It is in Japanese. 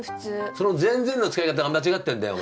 その「全然」の使い方が間違ってんだよ。